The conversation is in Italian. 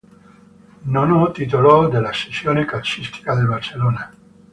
Nono titolo della sezione calcistica del Barcelona.